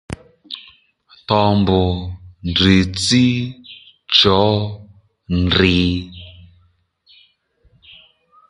Towmbù, ndrr̀tsí, chǒ, ndrrìy